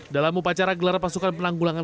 dalam upacara gelar pasukan penanggulangan